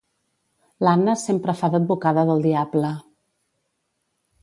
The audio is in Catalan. L'Anna sempre fa d'advocada del diable.